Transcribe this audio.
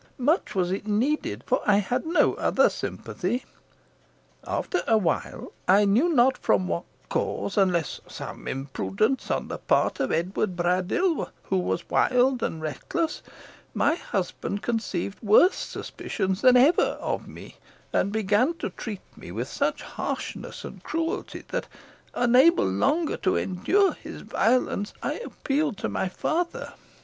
Much was it needed, for I had no other sympathy. After awhile, I know not from what cause, unless from some imprudence on the part of Edward Braddyll, who was wild and reckless, my husband conceived worse suspicions than ever of me, and began to treat me with such harshness and cruelty, that, unable longer to endure his violence, I appealed to my father.